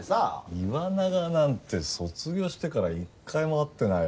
岩永なんて卒業してから一回も会ってないわ。